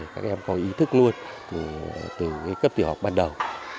các em có ý thức luôn từ cấp tiểu học ban đầu